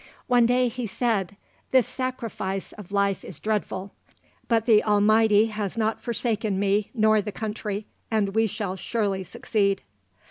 One day he said, "This sacrifice of life is dreadful; but the Almighty has not forsaken me nor the country, and we shall surely succeed."